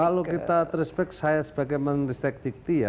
kalau kita terinspekt saya sebagai menteri teknik dikti ya